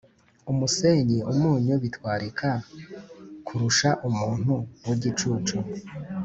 Umusenyi ,umunyu bitwarika kurusha umuntu w’igicucu.